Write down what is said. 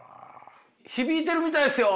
響いてるみたいっすよ。